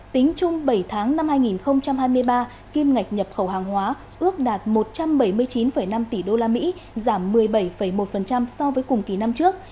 tính chung bảy tháng năm hai nghìn hai mươi ba kim ngạch nhập khẩu hàng hóa ước đạt một trăm bảy mươi chín năm tỷ usd giảm một mươi bảy một so với cùng kỳ năm trước